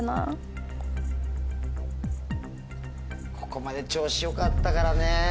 ここまで調子よかったからね。